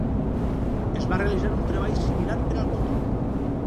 Es va realitzar un treball similar per al control.